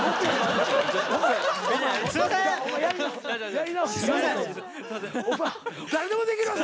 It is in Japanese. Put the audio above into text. やり直し。